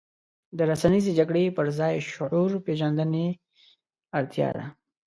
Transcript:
د رسنیزې جګړې پر ځای شعور پېژندنې اړتیا ده.